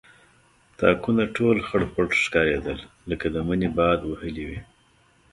تاکونه ټول خړپړ ښکارېدل لکه د مني باد وهلي وي.